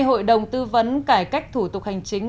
hội đồng tư vấn cải cách thủ tục hành chính